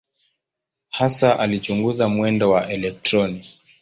Hasa alichunguza mwendo wa elektroni.